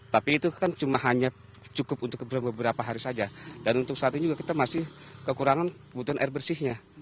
tapi itu kan cuma hanya cukup untuk beberapa hari saja dan untuk saat ini juga kita masih kekurangan kebutuhan air bersihnya